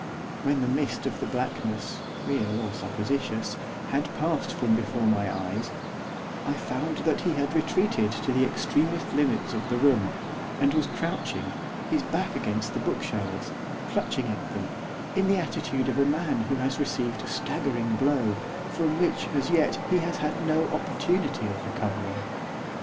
When the mist of the blackness real or supposititious had passed from before my eyes, I found that he had retreated to the extremest limits of the room, and was crouching, his back against the bookshelves, clutching at them, in the attitude of a man who has received a staggering blow, from which, as yet, he has had no opportunity of recovering.